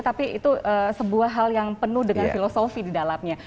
tapi itu sebuah hal yang penuh dengan filosofi di dalamnya